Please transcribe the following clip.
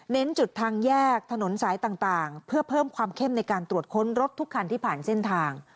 จุดทางแยกถนนสายต่างเพื่อเพิ่มความเข้มในการตรวจค้นรถทุกคันที่ผ่านเส้นทาง